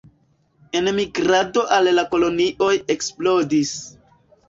Enmigrado al la kolonioj eksplodis.